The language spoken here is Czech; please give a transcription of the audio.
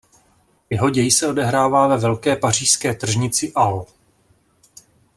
Jeho děj se odehrává ve velké pařížské tržnici Halles.